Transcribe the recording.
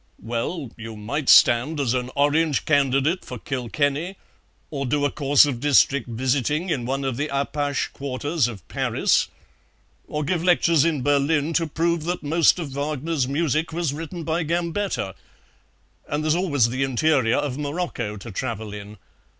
"Well, you might stand as an Orange candidate for Kilkenny, or do a course of district visiting in one of the Apache quarters of Paris, or give lectures in Berlin to prove that most of Wagner's music was written by Gambetta; and there's always the interior of Morocco to travel in.